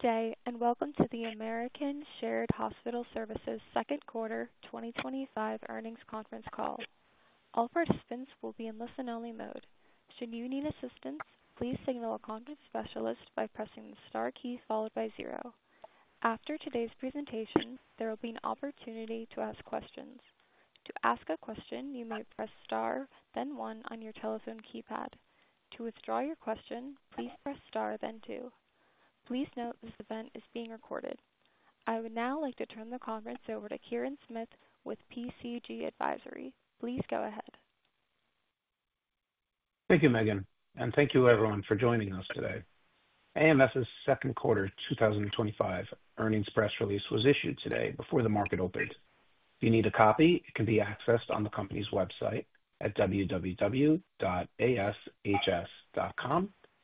Today, and welcome to the American Shared Hospital Services second quarter 2025 earnings conference call. All participants will be in listen-only mode. Should you need assistance, please signal a conference specialist by pressing the star key followed by zero. After today's presentation, there will be an opportunity to ask questions. To ask a question, you may press star, then one on your telephone keypad. To withdraw your question, please press star, then two. Please note this event is being recorded. I would now like to turn the conference over to Kirin Smith with PCG Advisory. Please go ahead. Thank you, Megan, and thank you everyone for joining us today. American Shared Hospital Services' second quarter 2025 earnings press release was issued today before the market opened. If you need a copy, it can be accessed on the company's website at www.ashs.com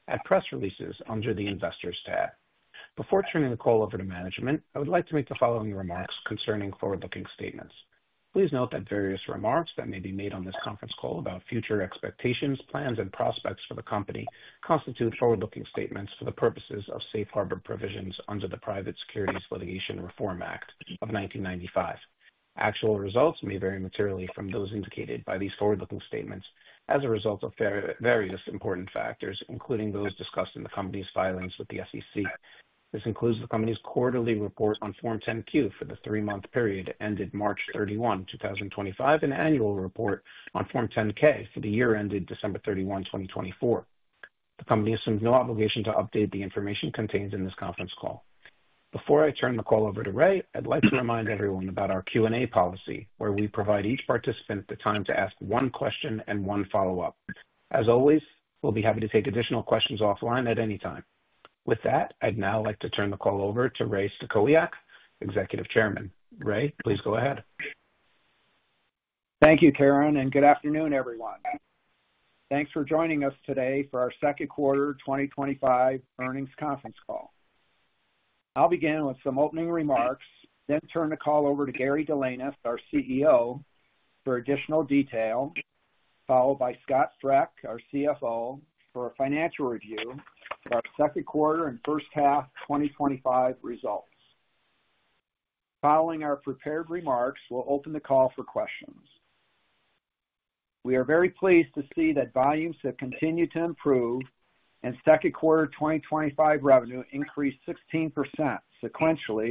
at press releases under the investors tab. Before turning the call over to management, I would like to make the following remarks concerning forward-looking statements. Please note that various remarks that may be made on this conference call about future expectations, plans, and prospects for the company constitute forward-looking statements for the purposes of safe harbor provisions under the Private Securities Litigation Reform Act of 1995. Actual results may vary materially from those indicated by these forward-looking statements as a result of various important factors, including those discussed in the company's filings with the SEC. This includes the company's quarterly report on Form 10-Q for the three-month period ended March 31, 2025, and an annual report on Form 10-K for the year ended December 31, 2024. The company assumes no obligation to update the information contained in this conference call. Before I turn the call over to Ray, I'd like to remind everyone about our Q&A policy, where we provide each participant the time to ask one question and one follow-up. As always, we'll be happy to take additional questions offline at any time. With that, I'd now like to turn the call over to Ray Stachowiak, Executive Chairman. Ray, please go ahead. Thank you, Kirin, and good afternoon, everyone. Thanks for joining us today for our second quarter 2025 earnings conference call. I'll begin with some opening remarks, then turn the call over to Gary Delanois, our CEO, for additional detail, followed by Scott Frech, our CFO, for a financial review of our second quarter and first half 2025 results. Following our prepared remarks, we'll open the call for questions. We are very pleased to see that volumes have continued to improve, and second quarter 2025 revenue increased 16% sequentially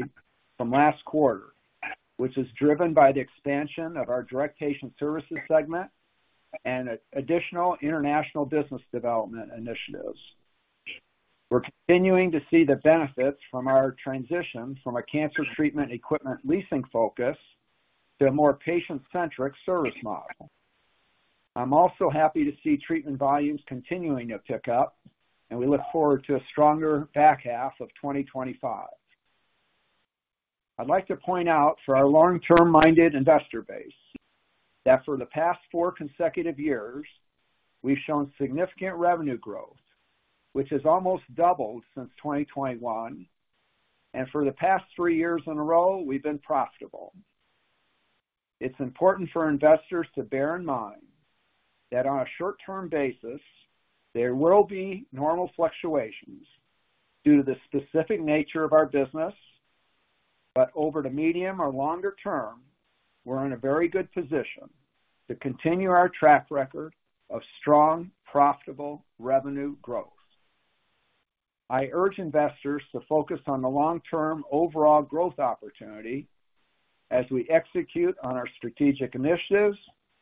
from last quarter, which is driven by the expansion of our direct patient services segment and additional international business development initiatives. We're continuing to see the benefits from our transition from a cancer treatment equipment leasing focus to a more patient-centric service model. I'm also happy to see treatment volumes continuing to pick up, and we look forward to a stronger back half of 2025. I'd like to point out for our long-term-minded investor base that for the past four consecutive years, we've shown significant revenue growth, which has almost doubled since 2021, and for the past three years in a row, we've been profitable. It's important for investors to bear in mind that on a short-term basis, there will be normal fluctuations due to the specific nature of our business, but over the medium or longer term, we're in a very good position to continue our track record of strong profitable revenue growth. I urge investors to focus on the long-term overall growth opportunity as we execute on our strategic initiatives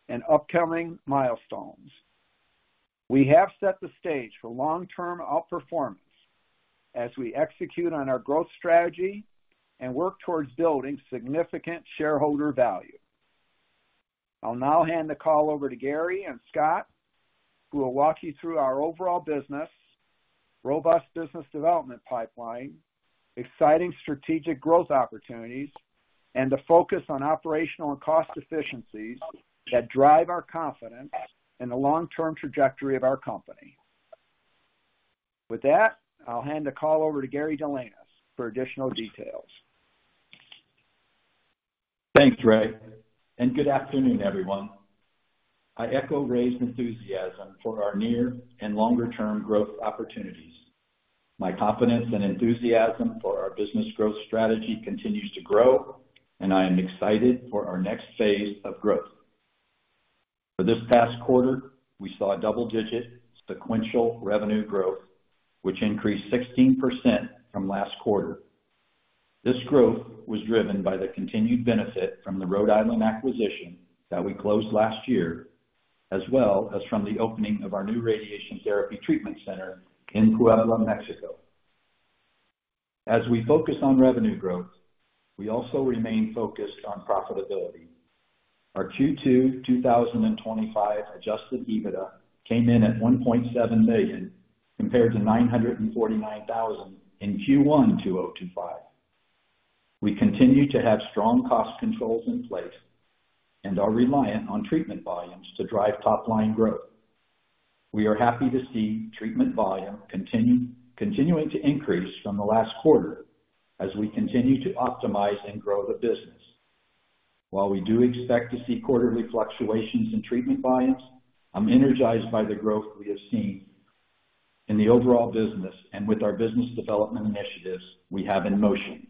and upcoming milestones. We have set the stage for long-term outperformance as we execute on our growth strategy and work towards building significant shareholder value. I'll now hand the call over to Gary and Scott, who will walk you through our overall business, robust business development pipeline, exciting strategic growth opportunities, and a focus on operational and cost efficiencies that drive our confidence in the long-term trajectory of our company. With that, I'll hand the call over to Gary Delanois for additional details. Thanks, Ray, and good afternoon, everyone. I echo Ray's enthusiasm for our near and longer-term growth opportunities. My confidence and enthusiasm for our business growth strategy continues to grow, and I am excited for our next phase of growth. For this past quarter, we saw double-digit sequential revenue growth, which increased 16% from last quarter. This growth was driven by the continued benefit from the Rhode Island acquisition that we closed last year, as well as from the opening of our new radiation therapy treatment center in Puebla, Mexico. As we focus on revenue growth, we also remain focused on profitability. Our Q2 2025 adjusted EBITDA came in at $1.7 million compared to $949,000 in Q1 2025. We continue to have strong cost controls in place and are reliant on treatment volumes to drive top-line growth. We are happy to see treatment volume continuing to increase from the last quarter as we continue to optimize and grow the business. While we do expect to see quarterly fluctuations in treatment volumes, I'm energized by the growth we have seen in the overall business and with our business development initiatives we have in motion.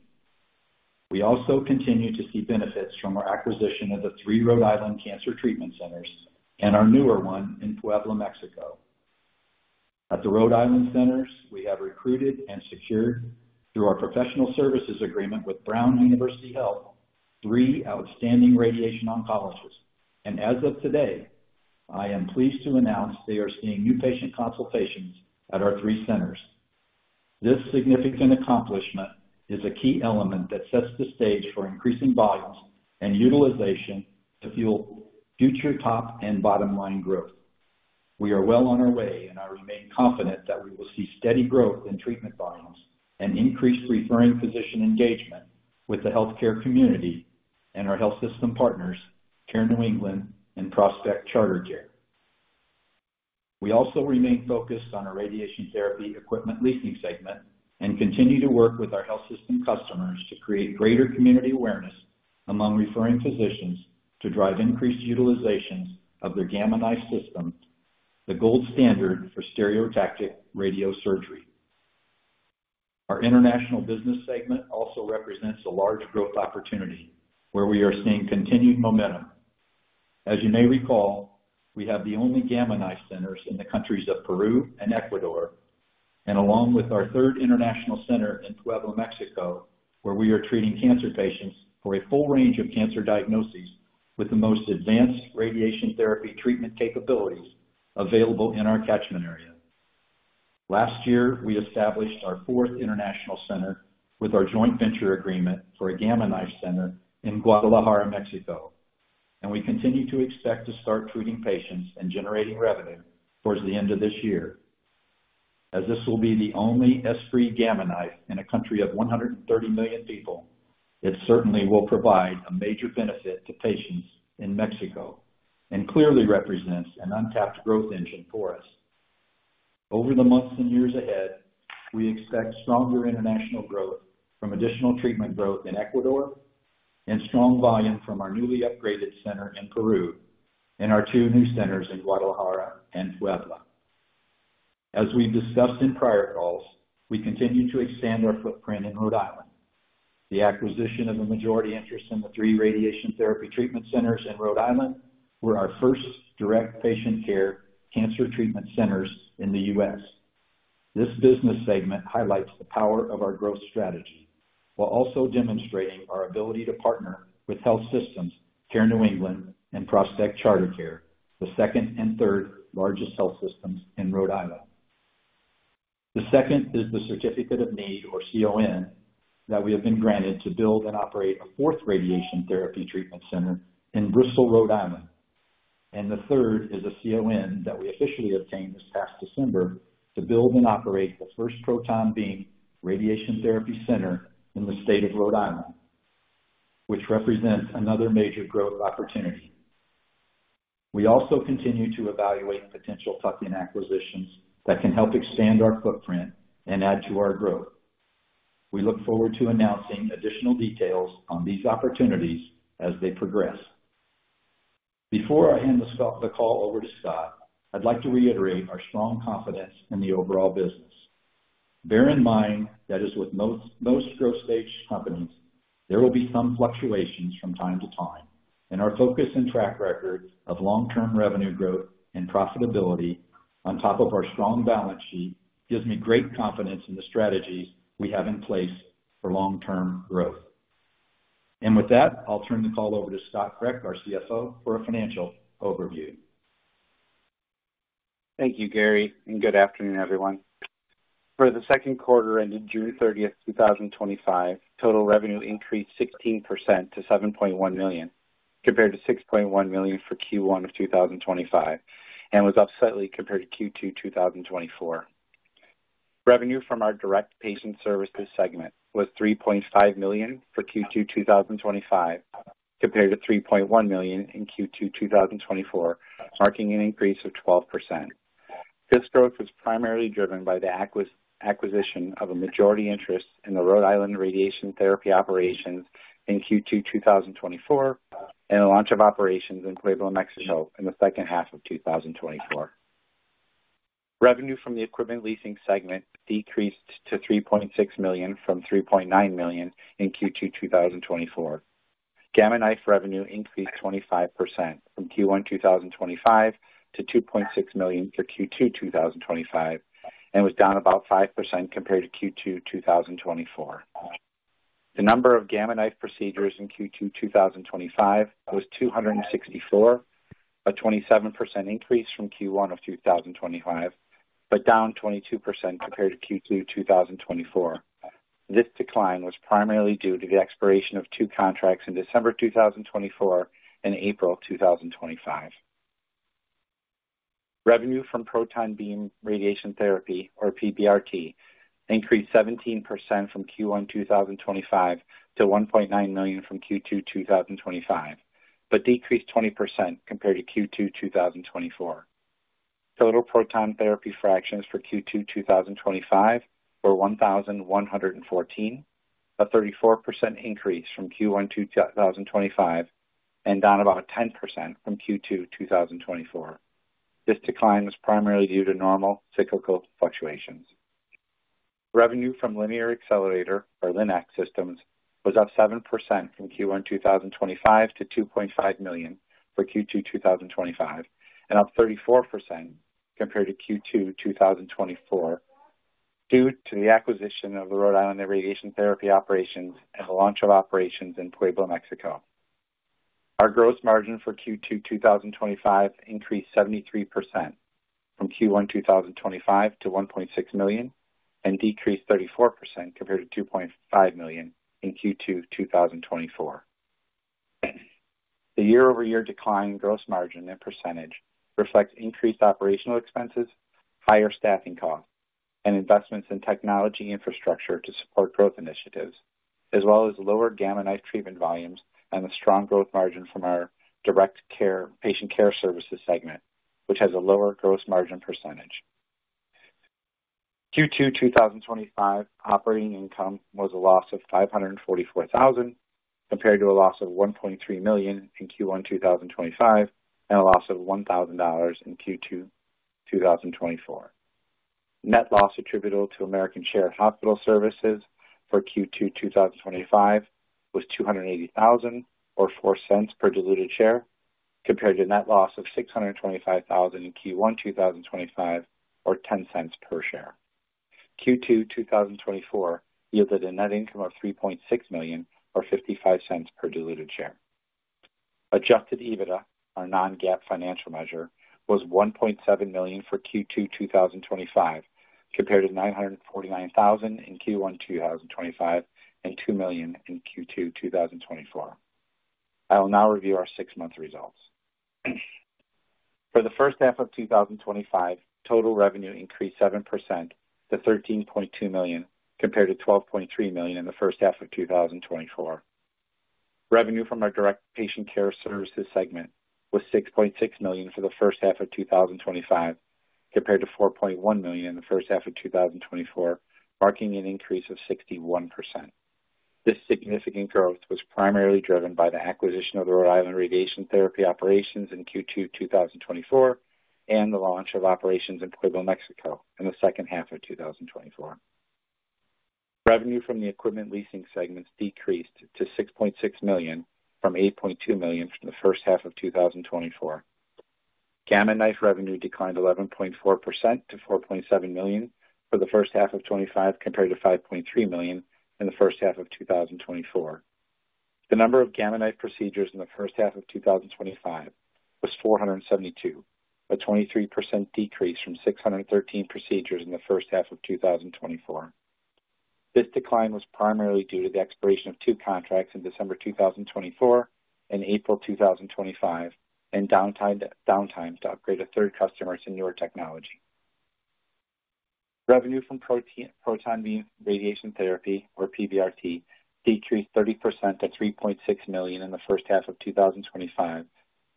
We also continue to see benefits from our acquisition of the three Rhode Island cancer treatment centers and our newer one in Puebla, Mexico. At the Rhode Island centers, we have recruited and secured, through our professional services agreement with Brown University Health, three outstanding radiation oncologists, and as of today, I am pleased to announce they are seeing new patient consultations at our three centers. This significant accomplishment is a key element that sets the stage for increasing volumes and utilization to fuel future top and bottom line growth. We are well on our way, and I remain confident that we will see steady growth in treatment volumes and increased referring physician engagement with the healthcare community and our health system partners, Care New England and Prospect CharterCare. We also remain focused on our radiation therapy equipment leasing segment and continue to work with our health system customers to create greater community awareness among referring physicians to drive increased utilizations of their Gamma Knife system, the gold standard for stereotactic radiosurgery. Our international business segment also represents a large growth opportunity where we are seeing continued momentum. As you may recall, we have the only Gamma Knife centers in the countries of Peru and Ecuador, and along with our third international center in Puebla, Mexico, where we are treating cancer patients for a full range of cancer diagnoses with the most advanced radiation therapy treatment capabilities available in our catchment area. Last year, we established our fourth international center with our joint venture agreement for a Gamma Knife center in Guadalajara, Mexico, and we continue to expect to start treating patients and generating revenue towards the end of this year. As this will be the only S3 Gamma Knife in a country of 130 million people, it certainly will provide a major benefit to patients in Mexico and clearly represents an untapped growth engine for us. Over the months and years ahead, we expect stronger international growth from additional treatment growth in Ecuador and strong volume from our newly upgraded center in Peru and our two new centers in Guadalajara and Puebla. As we've discussed in prior calls, we continue to expand our footprint in Rhode Island. The acquisition of a majority interest in the three radiation therapy treatment centers in Rhode Island were our first direct patient services cancer treatment centers in the U.S. This business segment highlights the power of our growth strategy while also demonstrating our ability to partner with health systems, Care New England, and Prospect CharterCare, the second and third largest health systems in Rhode Island. The second is the Certificate of Need, or CON, that we have been granted to build and operate a fourth radiation therapy treatment center in Bristol, Rhode Island, and the third is a CON that we officially obtained this past December to build and operate the first proton beam radiation therapy center in the state of Rhode Island, which represents another major growth opportunity. We also continue to evaluate potential tuck-in acquisitions that can help expand our footprint and add to our growth. We look forward to announcing additional details on these opportunities as they progress. Before I hand the call over to Scott, I'd like to reiterate our strong confidence in the overall business. Bear in mind that as with most growth stage companies, there will be some fluctuations from time to time. Our focus and track record of long-term revenue growth and profitability on top of our strong balance sheet gives me great confidence in the strategies we have in place for long-term growth. With that, I'll turn the call over to Scott Frech, our CFO, for a financial overview. Thank you, Gary, and good afternoon, everyone. For the second quarter ended June 30, 2025, total revenue increased 16% to $7.1 million compared to $6.1 million for Q1 2025 and was up slightly compared to Q2 2024. Revenue from our direct patient services segment was $3.5 million for Q2 2025 compared to $3.1 million in Q2 2024, marking an increase of 12%. This growth was primarily driven by the acquisition of a majority interest in the Rhode Island radiation therapy operations in Q2 2024 and the launch of operations in Puebla, Mexico, in the second half of 2024. Revenue from the equipment leasing segment decreased to $3.6 million from $3.9 million in Q2 2024. Gamma Knife revenue increased 25% from Q1 2025 to $2.6 million for Q2 2025 and was down about 5% compared to Q2 2024. The number of Gamma Knife procedures in Q2 2025 was 264, a 27% increase from Q1 2025, but down 22% compared to Q2 2024. This decline was primarily due to the expiration of two contracts in December 2024 and April 2025. Revenue from proton beam radiation therapy, or PBRT, increased 17% from Q1 2025 to $1.9 million for Q2 2025, but decreased 20% compared to Q2 2024. Total proton therapy fractions for Q2 2025 were 1,114, a 34% increase from Q1 2025 and down about 10% from Q2 2024. This decline was primarily due to normal cyclical fluctuations. Revenue from linear accelerator, or LINAC systems was up 7% from Q1 2025 to $2.5 million for Q2 2025 and up 34% compared to Q2 2024 due to the acquisition of the Rhode Island radiation therapy operations and the launch of operations in Puebla, Mexico. Our gross margin for Q2 2025 increased 73% from Q1 2025 to $1.6 million and decreased 34% compared to $2.5 million in Q2 2024. The year-over-year decline in gross margin in percentage reflects increased operational expenses, higher staffing costs, and investments in technology infrastructure to support growth initiatives, as well as lower Gamma Knife treatment volumes and the strong growth margin from our direct patient services segment, which has a lower gross margin percentage. Q2 2025 operating income was a loss of $544,000 compared to a loss of $1.3 million in Q1 2025 and a loss of $1,000 in Q2 2024. Net loss attributable to American Shared Hospital Services for Q2 2025 was $280,000 or $0.04 per diluted share compared to a net loss of $625,000 in Q1 2025 or $0.10 per share. Q2 2024 yielded a net income of $3.6 million or $0.55 per diluted share. Adjusted EBITDA, our non-GAAP financial measure, was $1.7 million for Q2 2025 compared to $949,000 in Q1 2025 and $2 million in Q2 2024. I will now review our six-month results. For the first half of 2025, total revenue increased 7% to $13.2 million compared to $12.3 million in the first half of 2024. Revenue from our direct patient services segment was $6.6 million for the first half of 2025 compared to $4.1 million in the first half of 2024, marking an increase of 61%. This significant growth was primarily driven by the acquisition of the Rhode Island radiation therapy operations in Q2 2024 and the launch of operations in Puebla, Mexico, in the second half of 2024. Revenue from the equipment leasing segment decreased to $6.6 million from $8.2 million in the first half of 2024. Gamma Knife revenue declined 11.4% to $4.7 million for the first half of 2025 compared to $5.3 million in the first half of 2024. The number of Gamma Knife procedures in the first half of 2025 was 472, a 23% decrease from 613 procedures in the first half of 2024. This decline was primarily due to the expiration of two contracts in December 2024 and April 2025 and downtimes to upgrade a third customer to newer technology. Revenue from proton beam radiation therapy, or PBRT, decreased 30% to $3.6 million in the first half of 2025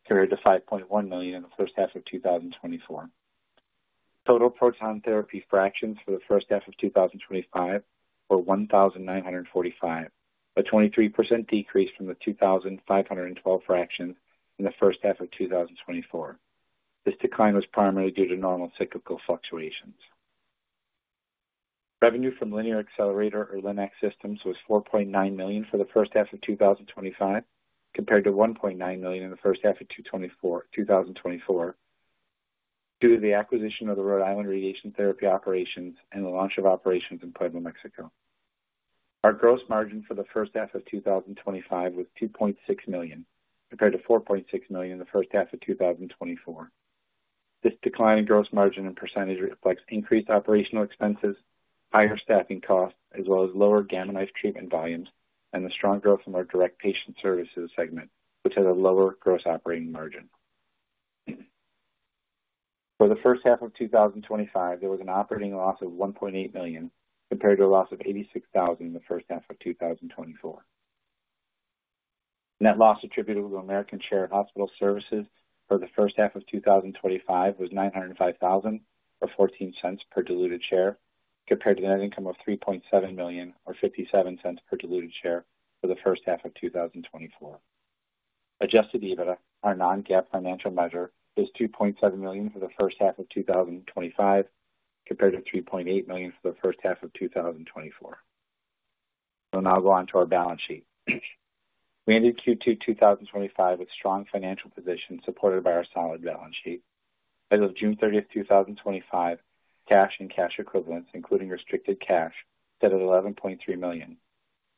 compared to $5.1 million in the first half of 2024. Total proton therapy fractions for the first half of 2025 were 1,945, a 23% decrease from the 2,512 fractions in the first half of 2024. This decline was primarily due to normal cyclical fluctuations. Revenue from linear accelerator, or LINAC, systems was $4.9 million for the first half of 2025 compared to $1.9 million in the first half of 2024 due to the acquisition of the Rhode Island radiation therapy operations and the launch of operations in Puebla, Mexico. Our gross margin for the first half of 2025 was $2.6 million compared to $4.6 million in the first half of 2024. This decline in gross margin in percentage reflects increased operational expenses, higher staffing costs, as well as lower Gamma Knife treatment volumes and the strong growth from our direct patient services segment, which has a lower gross operating margin. For the first half of 2025, there was an operating loss of $1.8 million compared to a loss of $86,000 in the first half of 2024. Net loss attributable to American Shared Hospital Services for the first half of 2025 was $905,000 or $0.14 per diluted share compared to the net income of $3.7 million or $0.57 per diluted share for the first half of 2024. Adjusted EBITDA, our non-GAAP financial measure, is $2.7 million for the first half of 2025 compared to $3.8 million for the first half of 2024. I will now go on to our balance sheet. We ended Q2 2025 with a strong financial position supported by our solid balance sheet. As of June 30, 2025, cash and cash equivalents, including restricted cash, sat at $11.3 million,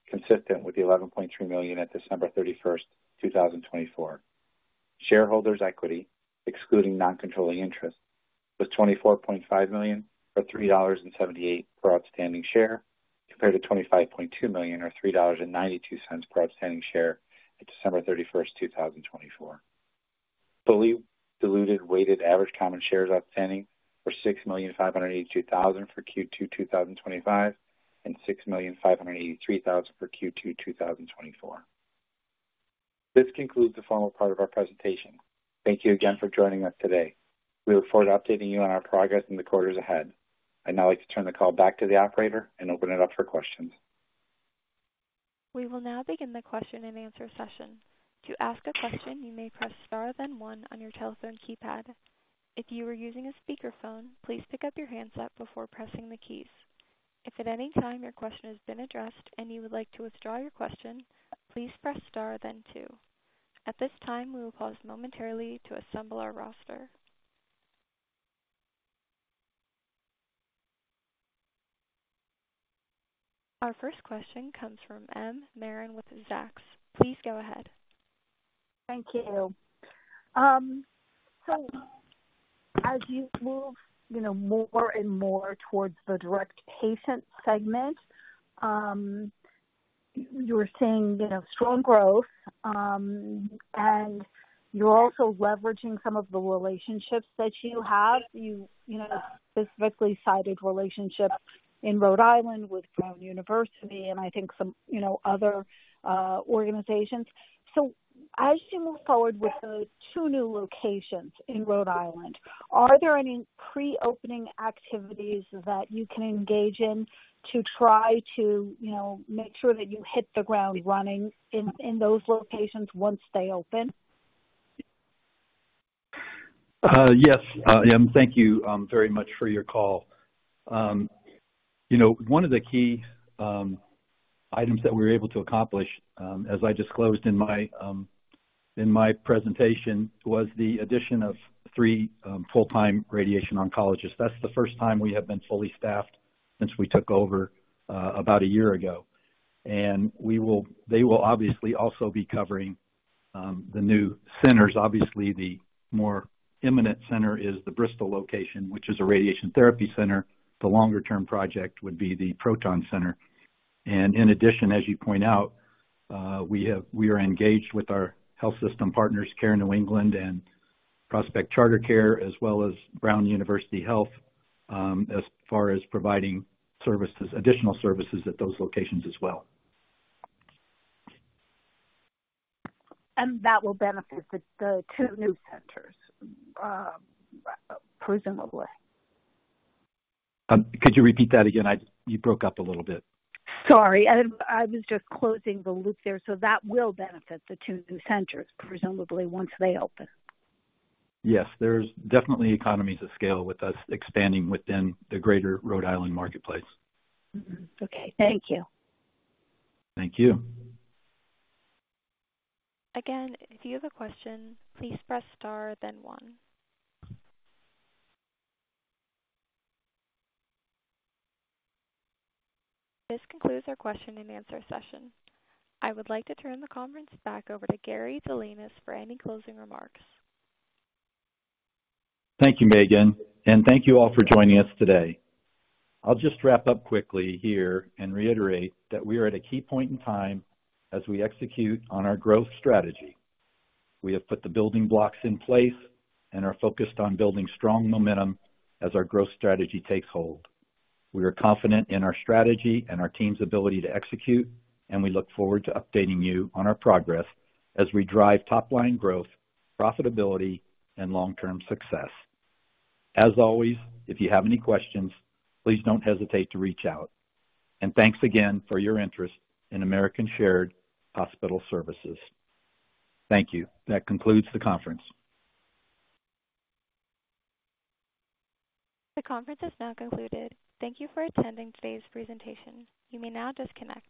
consistent with the $11.3 million at December 31, 2024. Shareholders' equity, excluding non-controlling interest, was $24.5 million or $3.78 per outstanding share compared to $25.2 million or $3.92 per outstanding share on December 31, 2024. Fully diluted weighted average common shares outstanding were 6,582,000 for Q2 2025 and 6,583,000 for Q2 2024. This concludes the formal part of our presentation. Thank you again for joining us today. We look forward to updating you on our progress in the quarters ahead. I'd now like to turn the call back to the operator and open it up for questions. We will now begin the question and answer session. To ask a question, you may press star, then one on your telephone keypad. If you are using a speakerphone, please pick up your handset before pressing the keys. If at any time your question has been addressed and you would like to withdraw your question, please press star, then two. At this time, we will pause momentarily to assemble our roster. Our first question comes from Marla Marin with Zacks. Please go ahead. Thank you. As you move more and more towards the direct patient segment, you were seeing strong growth, and you're also leveraging some of the relationships that you have. You specifically cited relationships in Rhode Island with Brown University Health and I think some other organizations. As you move forward with the two new locations in Rhode Island, are there any pre-opening activities that you can engage in to try to make sure that you hit the ground running in those locations once they open? Yes, I am. Thank you very much for your call. One of the key items that we were able to accomplish, as I disclosed in my presentation, was the addition of three full-time radiation oncologists. That's the first time we have been fully staffed since we took over about a year ago. They will obviously also be covering the new centers. Obviously, the more imminent center is the Bristol location, which is a radiation therapy center. The longer-term project would be the proton center. In addition, as you point out, we are engaged with our health system partners, Care New England and Prospect CharterCare, as well as Brown University Health, as far as providing services, additional services at those locations as well. That will benefit the two new centers, presumably. Could you repeat that again? You broke up a little bit. I was just closing the loop there. That will benefit the two new centers, presumably, once they open. Yes. There's definitely economies of scale with us expanding within the greater Rhode Island marketplace. Okay, thank you. Thank you. Again, if you have a question, please press star, then one. This concludes our question and answer session. I would like to turn the conference back over to Gary Delanois for any closing remarks. Thank you, Megan, and thank you all for joining us today. I'll just wrap up quickly here and reiterate that we are at a key point in time as we execute on our growth strategy. We have put the building blocks in place and are focused on building strong momentum as our growth strategy takes hold. We are confident in our strategy and our team's ability to execute, and we look forward to updating you on our progress as we drive top-line growth, profitability, and long-term success. If you have any questions, please don't hesitate to reach out. Thank you again for your interest in American Shared Hospital Services. Thank you. That concludes the conference. The conference is now concluded. Thank you for attending today's presentation. You may now disconnect.